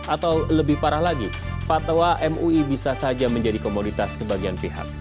atau lebih parah lagi fatwa mui bisa saja menjadi komoditas sebagian pihak